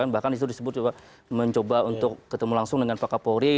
bahkan disitu disebut juga mencoba untuk ketemu langsung dengan pak kapolri